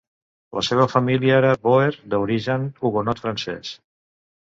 La seva família era bòer de l'origen hugonot francès.